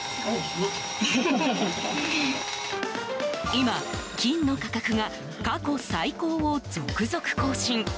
今、金の価格が過去最高を続々更新。